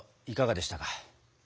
いかがでしたか？